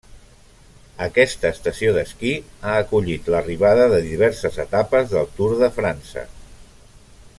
Aquesta estació d'esquí ha acollit l'arribada de diverses etapes del Tour de França.